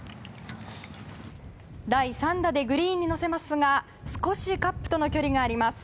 第３打で、グリーンに乗せますが少しカップとの距離があります。